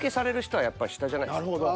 なるほど。